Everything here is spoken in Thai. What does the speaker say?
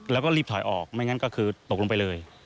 แล้วก็รีบถอยออกไม่งั้นก็คือตกลงไปเลย